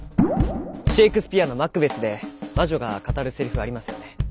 シェイクスピアの「マクベス」で魔女が語るセリフありますよね。